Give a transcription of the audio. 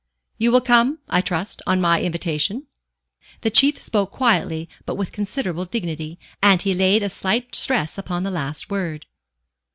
You will come, I trust, on my invitation." The Chief spoke quietly, but with considerable dignity, and he laid a slight stress upon the last word.